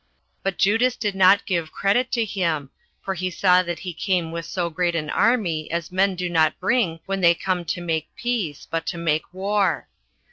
But Judas did not give credit to him, for he saw that he came with so great an army as men do not bring when they come to make peace, but to make war.